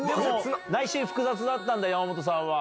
内心複雑だったんだ山本さんは。